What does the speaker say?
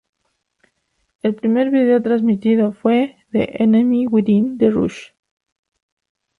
El primer vídeo transmitido fue ""The Enemy Within"" de Rush.